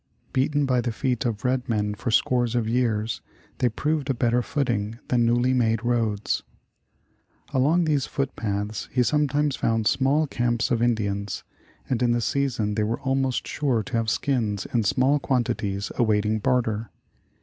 Beaten by the feet of red men for scores of years, they proved a better footing than newly made roads. Along these foot paths he sometimes found smaU camps of Indians, and in the season thej^ were almost sure to have skins in small quantities awaiting barter.